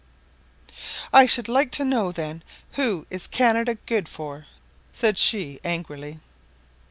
"I should like to know, then, who Canada is good for?" said she, angrily.